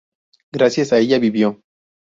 Gracias a ella vivo.